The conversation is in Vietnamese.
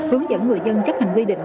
hướng dẫn người dân chấp hành quy định